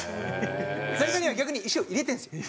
ザリガニは逆に石を入れてるんですよ。